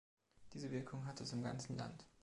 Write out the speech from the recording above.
Diese Wirkung hatte es im ganzen Land.